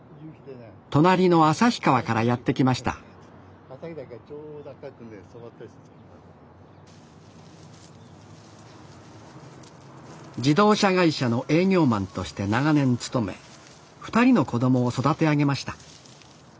隣の旭川からやって来ました自動車会社の営業マンとして長年勤め２人の子供を育て上げました。